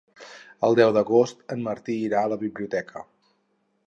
El deu d'agost en Martí irà a la biblioteca.